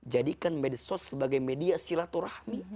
jadikan medsos sebagai media silaturahmi